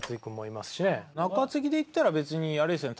中継ぎでいったら別にあれですよね